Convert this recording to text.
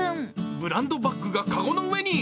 ブランドバッグが籠の上に。